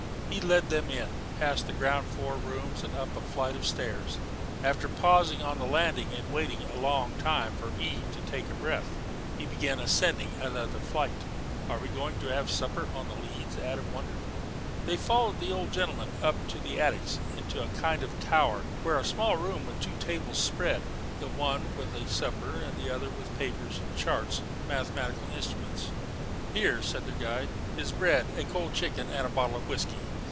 He led them in, past the ground floor rooms and up a flight of stairs. After pausing on the landing and waiting a long time for Eve to take breath, he began to ascend another flight. "Are we going to have supper on the leads?" Adam wondered. They followed the old gentleman up to the attics and into a kind of tower, where was a small room with two tables spread, the one with a supper, the other with papers, charts, and mathematical instruments. "Here," said their guide, "is bread, a cold chicken, and a bottle of whisky.